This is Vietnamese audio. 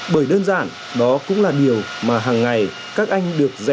bởi đơn giản đó cũng là điều mà hằng ngày các anh được dạy